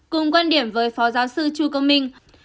cùng quan điểm với phó giáo sư chu công minh